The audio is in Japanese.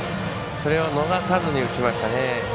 それを逃さずに打ちましたね。